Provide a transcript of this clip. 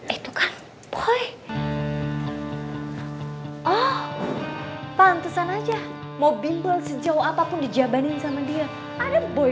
itu kan boy oh p lampu tak nanya mau bimbel sejauh apapun dijabanin sama dia ada boy